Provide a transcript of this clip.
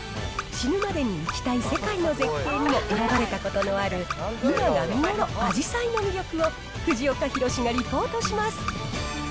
死ぬまでに行きたい世界の絶景にも選ばれたことのある今が見頃、あじさいの魅力を、藤岡弘、がリポートします。